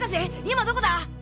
今どこだ？